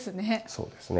そうですね。